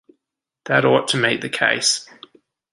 That ought to meet the case.